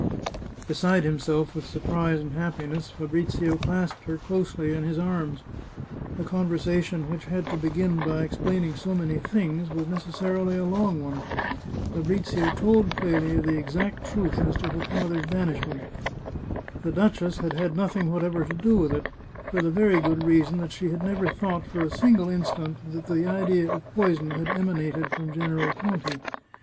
" Beside himself with surprise and happiness, Fabrizio clasped her closely in his arms. A conversation which had to begin by explaining so many things was necessarily a long one. Fabrizio told Clelia the exact truth as to her father's banishment. The duchess had had nothing whatever to do with it, for the very good 488 The Chartreuse of Parma reason that she had never thought, for a single instant, that the idea of poison had emanated from General Conti.